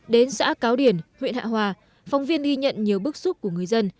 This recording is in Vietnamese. đến xã cáo điển huyện hạ hòa phóng viên ghi nhận nhiều bức xúc của người dân